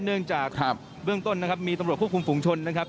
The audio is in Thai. เนื่องจากเบื้องต้นนะครับมีตำรวจควบคุมฝุงชนนะครับ